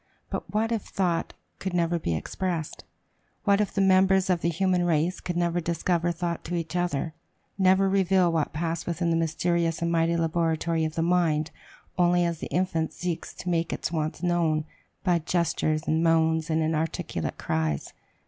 But what if thought could never be expressed? What if the members of the human race could never discover thought to each other, never reveal what passed within the mysterious and mighty laboratory of the mind only as the infant seeks to make its wants known, by gestures and moans and "inarticulate cries?"